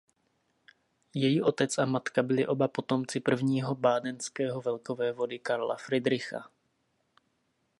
Její otec a matka byli oba potomci prvního bádenského velkovévody Karla Fridricha.